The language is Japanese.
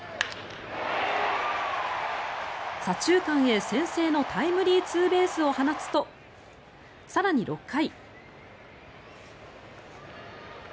左中間へ、先制のタイムリーツーベースを放つと更に６回。